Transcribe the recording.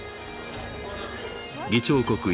議長国